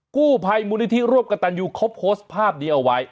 กู้ภัยมูลนิธิร่วมกับตันยูเขาโพสต์ภาพนี้เอาไว้